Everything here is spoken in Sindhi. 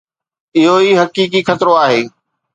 اهو ئي حقيقي خطرو آهي.